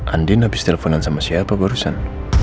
andin habis teleponan sama siapa barusan